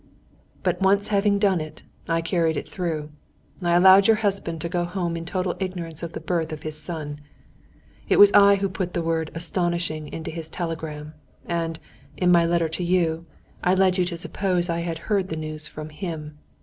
"But once having done it, I carried it through. I allowed your husband to go home in total ignorance of the birth of his son. It was I who put the word 'astonishing' into his telegram; and, in my letter to you, I led you to suppose I had heard the news from him.